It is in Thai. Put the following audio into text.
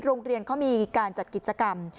โรงเรียนเขามีการจัดกิจกรรม